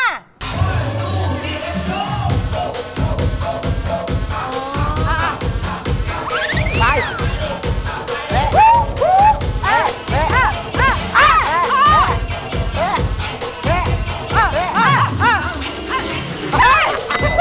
อันนี้คือทำคอนเทนจริงจัง